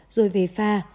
rồi về pha